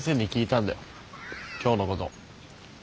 今日のこと。